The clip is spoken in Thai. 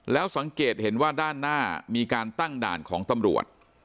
แล้วสังเกตเห็นว่าด้านหน้ามีการตั้งด่านของตำรวจ